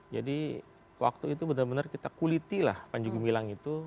jadi waktu itu benar benar kita kuliti lah panjigu milang itu